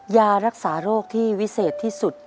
ยารักษาโรคที่วิเศษที่สุด